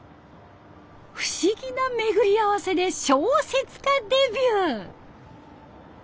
不思議な巡り合わせで小説家デビュー。